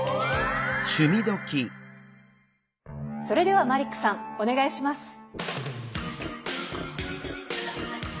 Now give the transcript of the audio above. それではマリックさんお願いします。